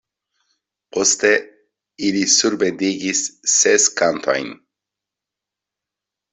Poste ili surbendigis ses kantojn.